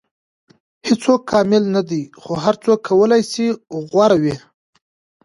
• هیڅوک کامل نه دی، خو هر څوک کولی شي غوره وي.